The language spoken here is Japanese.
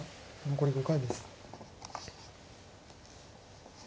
残り５回です。